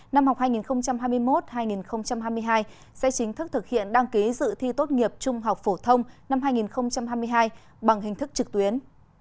năm học hai nghìn hai mươi một hai nghìn hai mươi hai sẽ chính thức thực hiện đăng ký dự thi tốt nghiệp trung học phổ thông năm hai nghìn hai mươi hai bằng hình thức trực tuyến